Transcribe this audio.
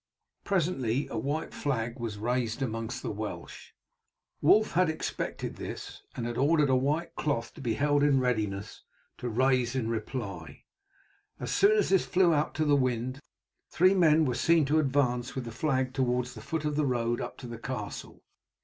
Presently a white flag was raised among the Welsh. Wulf had expected this, and had ordered a white cloth to be held in readiness to raise in reply. As soon as this flew out to the wind three men were seen to advance with the flag towards the foot of the road up to the castle.